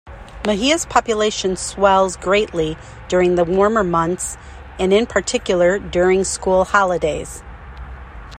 Mahia's population swells greatly during the warmer months and in particular during school holidays.